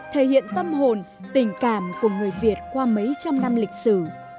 thể hiện tâm hồn tình cảm của người việt qua mấy trăm năm lịch sử